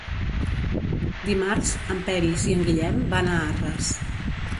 Dimarts en Peris i en Guillem van a Arres.